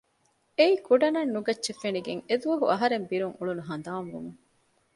އެއީ ކުޑަ ނަން ނުގައްޗެއް ފެނިގެން އެއްދުވަހަކު އަހަރެން ބިރުން އުޅުނު ހަނދާން ވުމުން